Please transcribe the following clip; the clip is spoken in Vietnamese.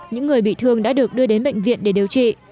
những người bị thương đã được đưa đến bệnh viện để điều trị